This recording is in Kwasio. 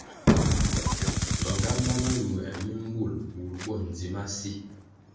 Nğámbá mañuer mi mbul bur bo ndzi ma si.